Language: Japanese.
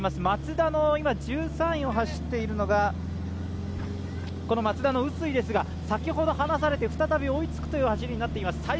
マツダの１３位を走っているのが臼井ですが、先ほど離されて再び追いつくという走りになっています。